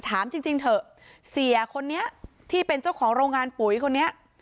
ถามจริงเถอะเสียคนนี้ที่เป็นเจ้าของโรงงานปุ๋ยคนนี้